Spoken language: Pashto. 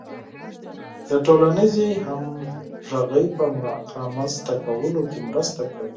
د ټولنیزې همغږۍ په رامنځته کولو کې مرسته کوي.